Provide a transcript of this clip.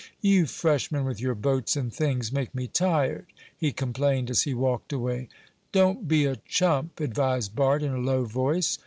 "You freshmen with your boats and things make me tired!" he complained as he walked away. "Don't be a chump," advised Bart in a low voice.